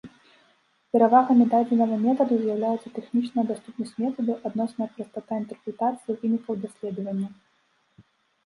Перавагамі дадзенага метаду з'яўляюцца тэхнічная даступнасць метаду, адносная прастата інтэрпрэтацыі вынікаў даследавання.